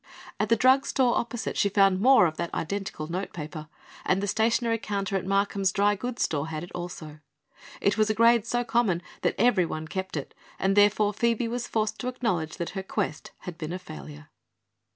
At the drug store opposite she found more of that identical notepaper, and the stationery counter at Markham's dry goods store had it also. It was a grade so common that everyone kept it and therefore Phoebe was forced to acknowledge that her quest had been a failure.